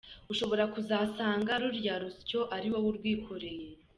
Ushobora kuzasanga ruriya ruswo ari wowe urwikoreye.